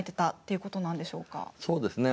そうですね。